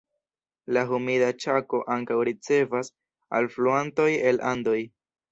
La Humida Ĉako ankaŭ ricevas alfluantoj el Andoj.